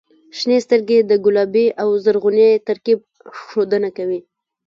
• شنې سترګې د ګلابي او زرغوني ترکیب ښودنه کوي.